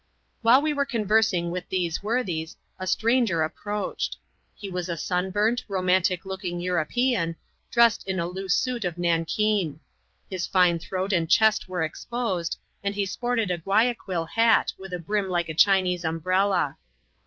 While we were conversing with these worthies, a stranger approached. He was a sun burnt, romantic looking European, dressed in a loose suit of nankeen ; his fine throat and chest were exposed, and he sported a Guayaquil hat, with a brim like a Chinese umbrella.